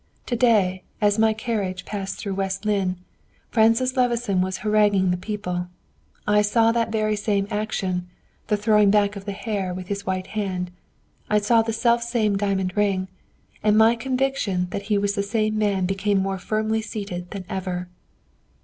To day as my carriage passed through West Lynne, Francis Levison was haranguing the people. I saw that very same action the throwing back of the hair with his white hand. I saw the selfsame diamond ring; and my conviction that he was the same man became more firmly seated than ever."